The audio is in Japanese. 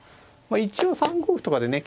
一応３五歩とかでね